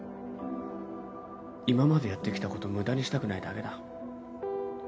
今までやってきたこと無駄にしたくないだけだ